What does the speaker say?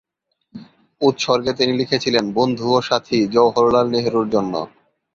উৎসর্গে তিনি লিখেছিলেন ‘বন্ধু ও সাথী জওহরলাল নেহরুর জন্য’।